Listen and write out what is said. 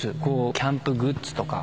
キャンプグッズとか